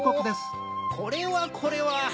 これはこれは。